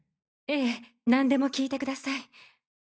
ええなんでも聞いてください。